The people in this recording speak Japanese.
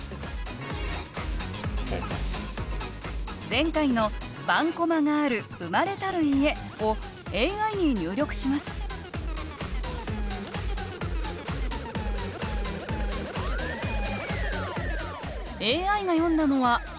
前回の「盤駒がある生まれたる家」をＡＩに入力しますＡＩが詠んだのは１００句。